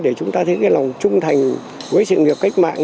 để chúng ta thấy cái lòng trung thành với sự nghiệp cách mạng